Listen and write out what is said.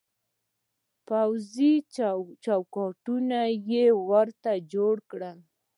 پوځي چوکاټونه يې ورته جوړ کړل.